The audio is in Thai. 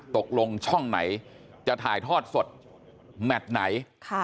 ตกลงช่องไหนจะถ่ายทอดสดแมทไหน